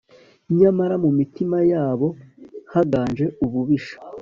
nyamara mu mitima yabo haganje ububisha